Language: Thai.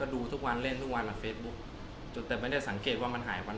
ดูทุกวันเล่นทุกวันล่ะเฟซบุ๊กแต่ไม่ได้สังเกตว่ามันหายวัน